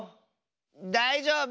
だいじょうぶ！